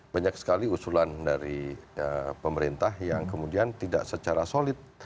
banyak sekali usulan dari pemerintah yang kemudian tidak secara solid